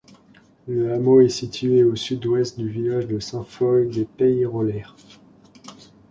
Le hameau est situé à au sud-ouest du village de Sainte-Foy-de-Peyrolières.